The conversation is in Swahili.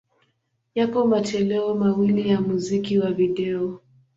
Yapo matoleo mawili ya muziki wa video.